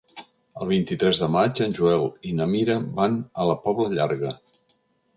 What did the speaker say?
El vint-i-tres de maig en Joel i na Mira van a la Pobla Llarga.